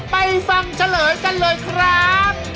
ไปฟังเฉลยกันเลยครับ